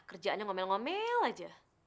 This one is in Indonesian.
kerjaannya ngomel ngomel aja